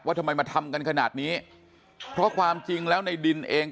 ทำไมมาทำกันขนาดนี้เพราะความจริงแล้วในดินเอง